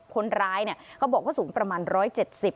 คนร้ายเนี่ยเขาบอกว่าสูงประมาณ๑๗๐